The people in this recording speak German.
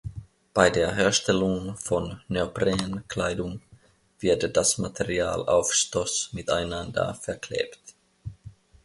Bei der Herstellung von "Neopren"-Kleidung wird das Material auf Stoß miteinander verklebt.